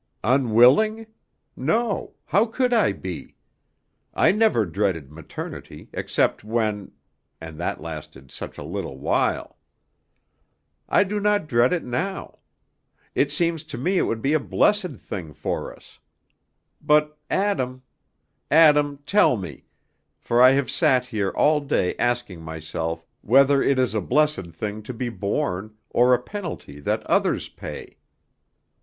"Unwilling? No; how could I be? I never dreaded maternity except when and that lasted such a little while. I do not dread it now. It seems to me it would be a blessed thing for us. But, Adam, Adam, tell me, for I have sat here all day asking myself, whether it is a blessed thing to be born, or a penalty that others pay."